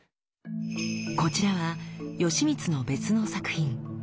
こちらは吉光の別の作品。